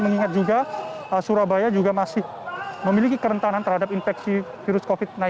mengingat juga surabaya juga masih memiliki kerentanan terhadap infeksi virus covid sembilan belas